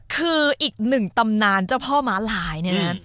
คืออีกหนึ่งตำนานเจ้าพ่อมาลาย